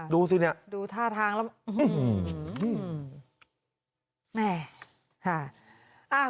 ดูสิเนี่ยดูท่าทางแล้ว